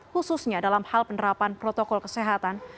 khususnya dalam hal penerapan protokol kesehatan